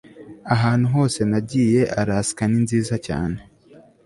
ahantu hose nagiye, alaska ninziza cyane